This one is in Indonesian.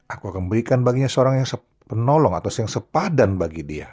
aku akan memberikan baginya seorang yang penolong atau yang sepadan bagi dia